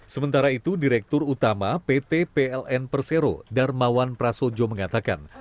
sementara itu direktur utama pt pln persero darmawan prasojo mengatakan